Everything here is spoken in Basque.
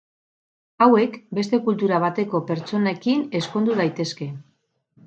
Hauek beste kultura bateko pertsonekin ezkondu daitezke.